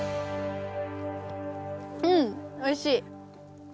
うんおいしい！